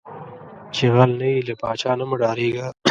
چې غل نۀ یې، لۀ پاچا نه مۀ ډارېږه